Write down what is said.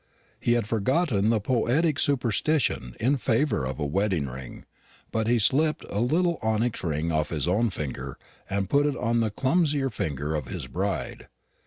He had forgotten the poetic superstition in favour of a wedding ring, but he slipped a little onyx ring off his own finger, and put it on the clumsier finger of his bride.